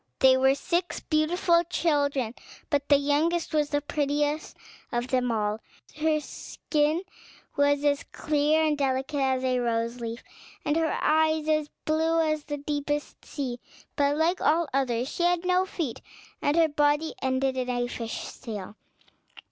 They were six beautiful children; but the youngest was the prettiest of them all; her skin was as clear and delicate as a rose leaf, and her eyes as blue as the deepest sea; but, like all the others, she had no feet, and her body ended in a fish's tail.